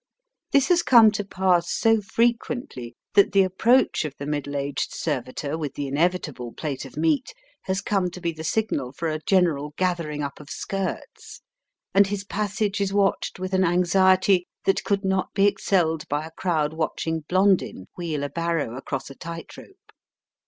This has come to pass so frequently that the approach of the middle aged servitor with the inevitable plate of meat has come to be the signal for a general gathering up of skirts, and his passage is watched with an anxiety that could not be excelled by a crowd watch ing Blondin wheel a barrow across a tight rope.